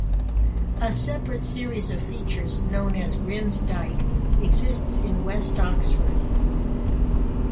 A separate series of features known as Grim's Dyke exists in West Oxford.